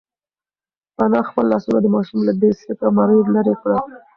انا خپل لاسونه د ماشوم له بې سېکه مرۍ لرې کړل.